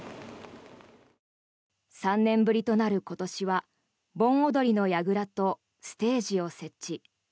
３年ぶりとなる今年は盆踊りのやぐらとステージを設置。